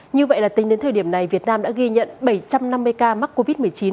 như vậy là tính đến thời điểm này việt nam đã ghi nhận bảy trăm năm mươi ca mắc covid một mươi chín